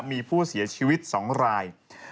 มีผู้เสียชีวิต๒ราย